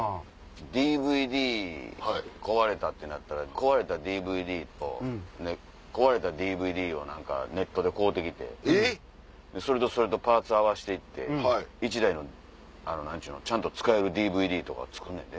ＤＶＤ壊れたってなったら壊れたＤＶＤと壊れたＤＶＤをネットで買うて来てそれとそれでパーツ合わして行って１台のちゃんと使えるＤＶＤを作んねんで。